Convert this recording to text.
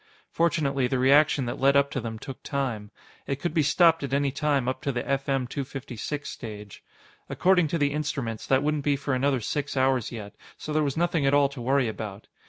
Fortunately, the reaction that led up to them took time. It could be stopped at any time up to the Fm 256 stage. According to the instruments, that wouldn't be for another six hours yet, so there was nothing at all to worry about.